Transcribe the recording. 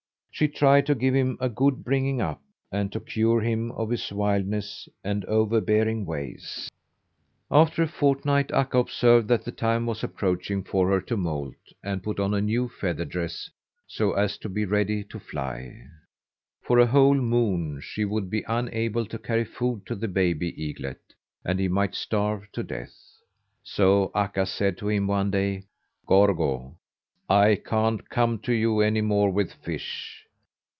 She tried to give him a good bringing up, and to cure him of his wildness and overbearing ways. After a fortnight Akka observed that the time was approaching for her to moult and put on a new feather dress so as to be ready to fly. For a whole moon she would be unable to carry food to the baby eaglet, and he might starve to death. So Akka said to him one day: "Gorgo, I can't come to you any more with fish.